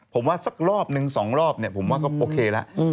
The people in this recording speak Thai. ผมว่าสักรอบหนึ่งสองรอบผมว่าก็โอเคแล้ว